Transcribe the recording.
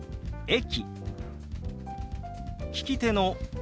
「駅」。